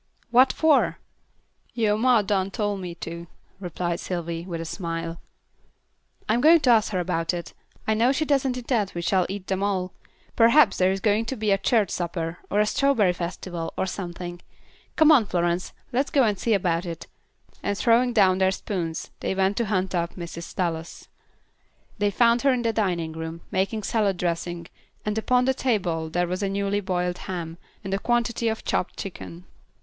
"What for?" "Yo' ma done tole me to," replied Sylvy, with a smile. "I'm going to ask her about it. I know she doesn't intend we shall eat them all. Perhaps there is going to be a church supper, or a strawberry festival, or something. Come on, Florence, let's go and see about it." And throwing down their spoons, they went to hunt up Mrs. Dallas. They found her in the dining room, making salad dressing, and upon the table was a newly boiled ham, and a quantity of chopped chicken.